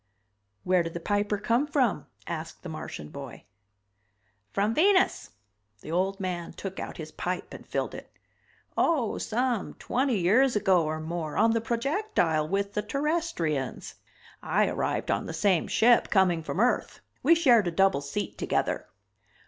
"Where did the Piper come from?" asked the Martian boy. "From Venus." The old man took out his pipe and filled it. "Oh, some twenty years ago or more, on the projectile with the Terrestrians. I arrived on the same ship, coming from Earth, we shared a double seat together."